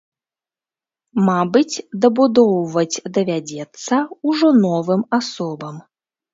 Мабыць, дабудоўваць давядзецца ўжо новым асобам.